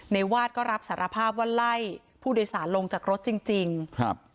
วาดก็รับสารภาพว่าไล่ผู้โดยสารลงจากรถจริงจริงครับ